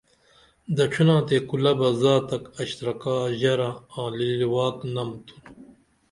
دڇھینا تے کُلہ بہ زاتک، اشترکا، ژرہ آں لیلواکنم تُھن